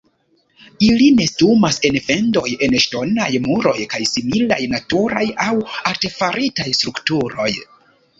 Ili nestumas en fendoj en ŝtonaj muroj kaj similaj naturaj aŭ artefaritaj strukturoj.